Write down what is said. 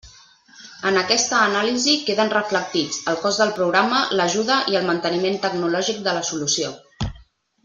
En aquesta anàlisi queden reflectits el cost del programa, l'ajuda i el manteniment tecnològic de la solució.